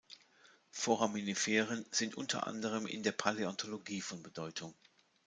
Foraminiferen sind unter anderem in der Paläontologie von Bedeutung.